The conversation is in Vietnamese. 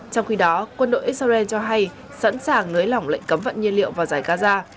trong khi đó quân đội israel cho hay sẵn sàng nới lỏng lệnh cấm vận nhiên liệu vào giải gaza